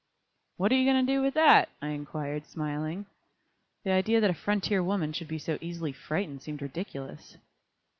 "What are you going to do with that?" I inquired, smiling. The idea that a frontier woman should be so easily frightened seemed ridiculous.